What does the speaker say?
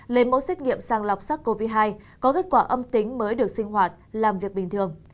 lấy mẫu xét nghiệm sàng lọc sars cov hai có kết quả âm tính mới được sinh hoạt làm việc bình thường